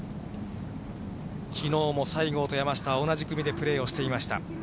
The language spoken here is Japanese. きのうも西郷と山下は、同じ組でプレーをしていました。